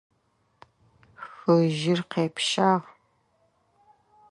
Хыжьыр къепщагъ.